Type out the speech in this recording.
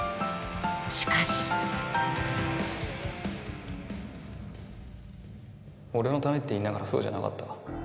しかし俺のためって言いながらそうじゃなかった。